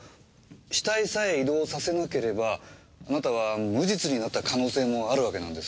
死体さえ移動させなければあなたは無実になった可能性もあるわけなんです。